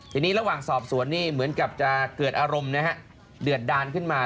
ทีนี้ระหว่างสอบสวนนี่เหมือนกับจะเกิดอารมณ์นะฮะเดือดดานขึ้นมา